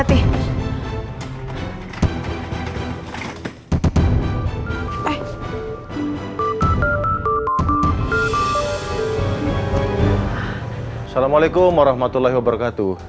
assalamualaikum warahmatullahi wabarakatuh